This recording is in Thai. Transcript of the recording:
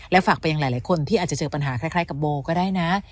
แล้วฝากไปอย่างหลายหลายคนที่อาจจะเจอปัญหาคล้ายคล้ายกับโบก็ได้นะ